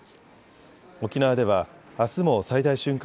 沖縄ではあすも最大瞬間